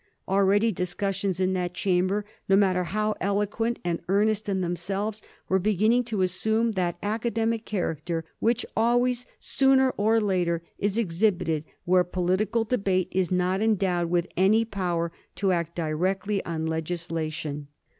Already discussions in that Chamber, no matter how eloquent and earnest in themselves, were beginning to assume that academic character which al ways, sooner or later, is exhibited where political debate is not endowed with any power to act directly on legis lation.